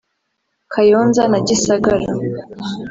Kayonza na Gisagara